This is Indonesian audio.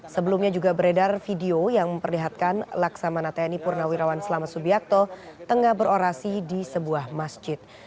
sebelumnya juga beredar video yang memperlihatkan laksamana tni purnawirawan selamat subiakto tengah berorasi di sebuah masjid